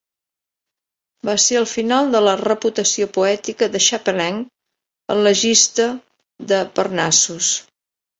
Va ser el final de la reputació poètica de Chapelain, el legista de Parnassus.